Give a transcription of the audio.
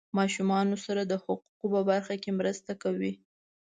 ماشومانو سره د حقوقو په برخه کې مرسته کوي.